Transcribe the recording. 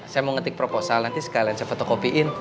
saya mau ngetik proposal nanti sekalian saya fotokopiin